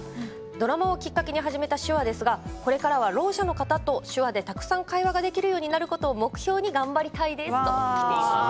ドラマをきっかけに始めた手話ですがこれからはろう者の方と手話でたくさん会話ができるようになることを目標に頑張ってください。